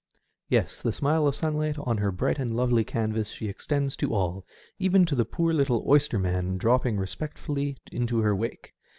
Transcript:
Yes, the smile of sunlight on her bright and lovely canvas she extends to all, even to the poor little oyster man dropping respectfully into her wake.